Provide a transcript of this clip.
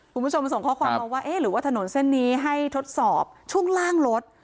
คุณผู้ชมส่งข้อความมาว่าเอ๊ะหรือว่าถนนเส้นนี้ให้ทดสอบช่วงล่างรถ